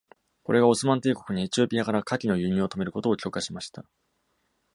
これがオスマン帝国にエチオピアから火器の輸入を止めることを許可しました。